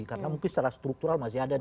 karena mungkin secara struktural masih ada